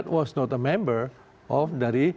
tidak menjadi member dari